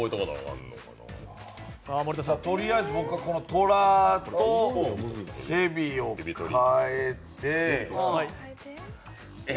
とりあえず僕はトラとヘビをかえて。